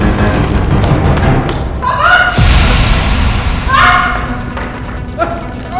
ya pak makasih ya pak